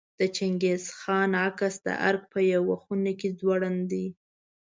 د چنګیز خان عکس د ارګ په یوه خونه کې ځوړند دی.